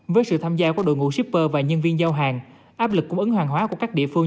với sự tham gia của đội ngũ shipper và nhân viên giao hàng áp lực cung ứng hàng hóa của các địa phương